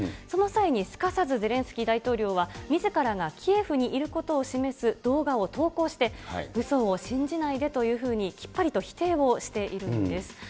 その際にすかさずゼレンスキー大統領は、みずからがキエフにいることを示す動画を投稿して、うそを信じないでというふうに、きっぱりと否定をしているんです。